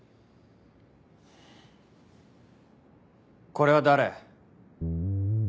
これは誰？